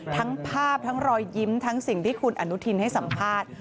ทั้งภาพทั้งรอยยิ้มทั้งสิ่งที่คุณอนุทินให้สัมภาษณ์